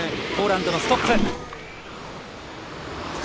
ポーランドのストッフ。